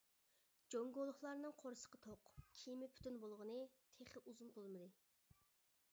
جۇڭگولۇقلارنىڭ قورسىقى توق، كىيىمى پۈتۈن بولغىنى تېخى ئۇزۇن بولمىدى.